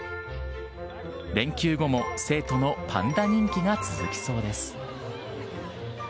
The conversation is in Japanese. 連休後も成都のパンダ人気が続きそうです。